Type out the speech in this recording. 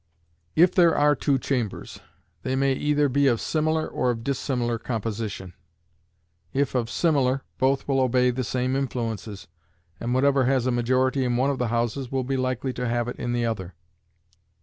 If there are two chambers, they may either be of similar or of dissimilar composition. If of similar, both will obey the same influences, and whatever has a majority in one of the houses will be likely to have it in the other.